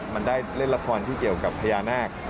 มันได้เล่นละครที่เกี่ยวกับพญานาค